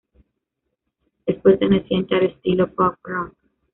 Es perteneciente al estilo Pop Rock.